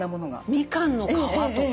みかんの皮とか。